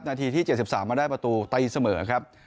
นาทีที่เจ็ดสิบสามมาได้ประตูตะยิดเสมอนะครับ